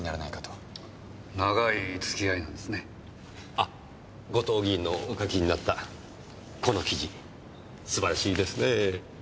あ後藤議員のお書きになったこの記事素晴らしいですねぇ。